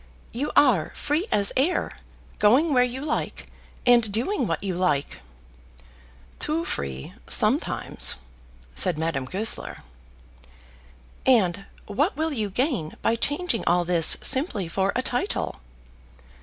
"You are free as air, going where you like, and doing what you like." "Too free, sometimes," said Madame Goesler. "And what will you gain by changing all this simply for a title?"